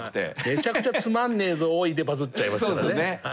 「めちゃくちゃつまんねえぞおい」でバズっちゃいますからね。